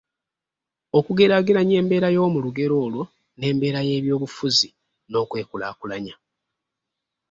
okugeraageranya embeera y’omu lugero olwo n’embeera y’ebyobufuzi n’okwekulaakulanya